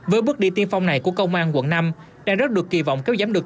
với bước đi tiên phong này của công an quận năm đang rất được kỳ vọng kéo giảm được